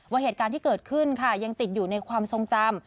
เหตุการณ์ที่เกิดขึ้นค่ะยังติดอยู่ในความทรงจำ